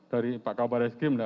dari pak kabar eskrim